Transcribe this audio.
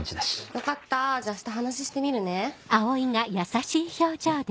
よかったじゃあした話してみるね。